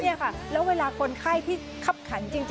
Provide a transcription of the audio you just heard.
นี่ค่ะแล้วเวลาคนไข้ที่คับขันจริง